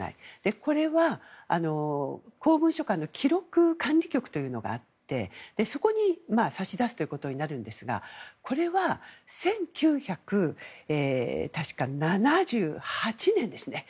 これは、公文書館に記録管理局というのがあってそこに差し出すということになるんですがこれは、１９７８年ですね。